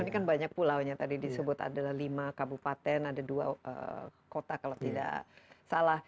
ini kan banyak pulaunya tadi disebut adalah lima kabupaten ada dua kota kalau tidak salah